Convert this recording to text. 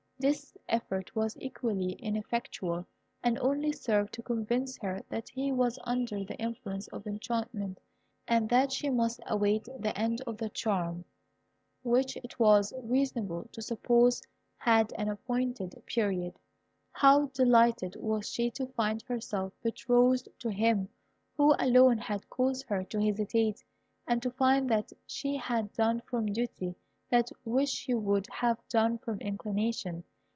This effort was equally ineffectual, and only served to convince her that he was under the influence of enchantment, and that she must await the end of the charm, which it was reasonable to suppose had an appointed period. How delighted was she to find herself betrothed to him who alone had caused her to hesitate, and to find that she had done from duty that which she would have done from inclination.